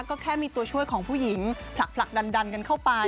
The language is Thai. ก็แค่มีตัวช่วยของผู้หญิงผลักดันกันเข้าไป